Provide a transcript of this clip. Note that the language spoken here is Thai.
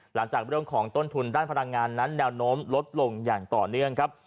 หลังจากเรื่องของต้นทุนด้านพลังงานนั้นแนวโน้มลดลงอย่างต่อเนื่องครับ